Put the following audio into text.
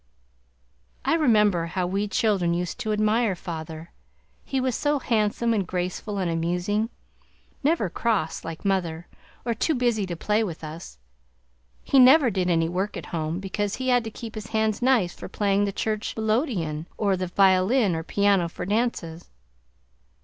I remember how we children used to admire father, he was so handsome and graceful and amusing, never cross like mother, or too busy to play with us. He never did any work at home because he had to keep his hands nice for playing the church melodeon, or the violin or piano for dances.